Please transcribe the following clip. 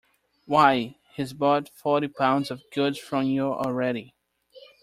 Why, he's bought forty pounds of goods from you already.